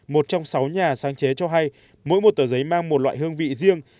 một trong sáu nhà sáng chế cho hay mỗi một tờ giấy mang một loại hương vị riêng